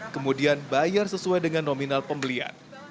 kemudian bayar sesuai dengan nominal pembelian